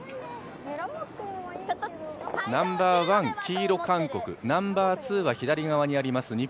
ナンバーワン、黄色、韓国、ナンバーツーは左側にあります